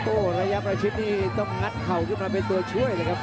โอ้โหระยะประชิดนี่ต้องงัดเข่าขึ้นมาเป็นตัวช่วยเลยครับ